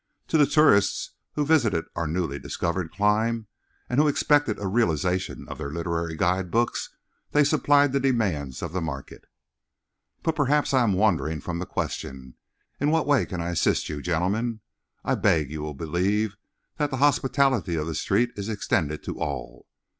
To the tourists who visited our newly discovered clime, and who expected a realization of their literary guide books, they supplied the demands of the market. "But perhaps I am wandering from the question. In what way can I assist you, gentlemen? I beg you will believe that the hospitality of the street is extended to all.